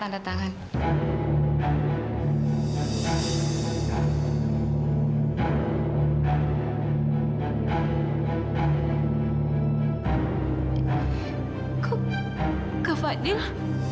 dan anak kamilah